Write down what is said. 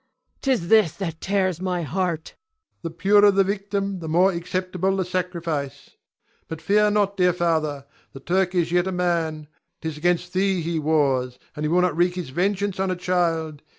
'Tis this that tears my heart. Ion. The purer the victim the more acceptable the sacrifice. But fear not, dear father. The Turk is yet a man; 'tis 'gainst thee he wars, and he will not wreak his vengeance on a child.